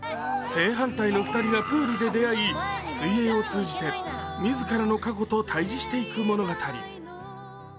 正反対の２人がプールで出会い、水泳を通じて自らの過去と対じしていく物語。